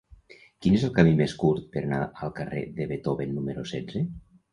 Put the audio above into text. Quin és el camí més curt per anar al carrer de Beethoven número setze?